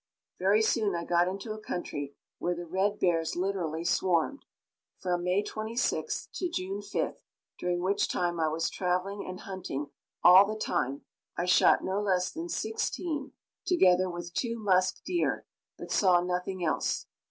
Very soon I got into a country where the red bears literally swarmed. From May 26th to June 5th, during which time I was traveling and hunting all the time, I shot no less than sixteen, together with two musk deer, but saw nothing else.